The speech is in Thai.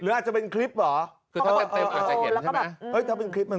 หรืออาจจะเป็นคลิปเหรอ